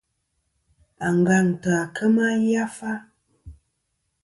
Angantɨ à kema yafa.